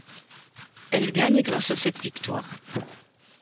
Elle gagne grâce à cette victoire.